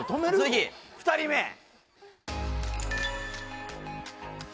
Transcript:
次２人目？